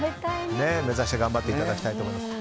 目指して頑張っていただきたいと思います。